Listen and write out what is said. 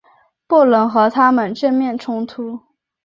不能和他们正面冲突